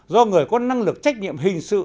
do người có năng lực trách nhiệm hình sự